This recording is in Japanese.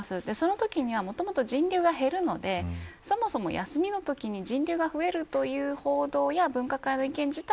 そのときにはもともと人流が減るのでそもそも休みのときに人流が増えるという報道や分科会の意見自体